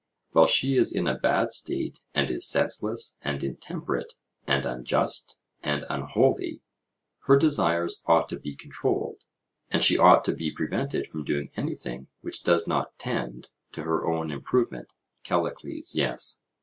While she is in a bad state and is senseless and intemperate and unjust and unholy, her desires ought to be controlled, and she ought to be prevented from doing anything which does not tend to her own improvement. CALLICLES: Yes.